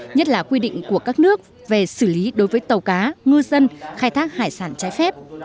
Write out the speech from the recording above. nhất là quy định của các nước về xử lý đối với tàu cá ngư dân khai thác hải sản trái phép